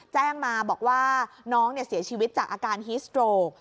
แจ้งมาบอกว่าน้องเสียชีวิตจากอาการฮิสโตรก